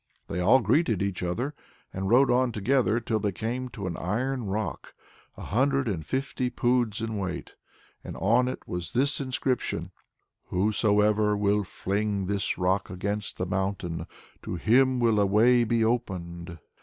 They all greeted each other, and rode on together, till they came to an iron rock a hundred and fifty poods in weight, and on it was this inscription, "Whosoever will fling this rock against the mountain, to him will a way be opened."